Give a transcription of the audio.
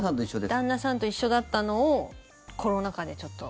旦那さんと一緒だったのをコロナ禍でちょっと。